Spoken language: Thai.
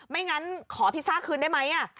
งั้นขอพิซซ่าคืนได้ไหม